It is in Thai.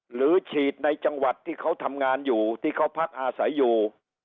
หรือฉีดในจังหวัดที่เขาทำงานอยู่ที่เขาพักอาศัยอยู่